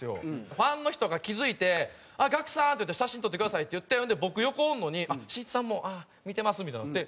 ファンの人が気付いて「あっガクさん！」って言って「写真撮ってください！」って言って僕横おるのに「しんいちさんも見てます」みたいになって。